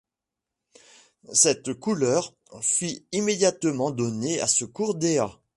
Cette couleur fit immédiatement donner à ce cours d’ea